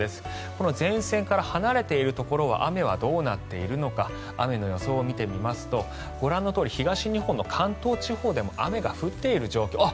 この前線から離れているところは雨はどうなっているのか雨の予想を見てみますとご覧のとおり東日本の関東地方でも雨が降っている状況。